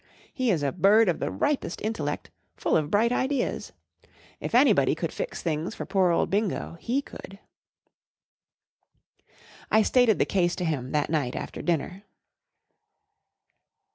He is a bird of the ripest intellect, full of bright ideas. If any¬ body could fix things for poor old Bingo, he could, I stated the case to him that night after dinner.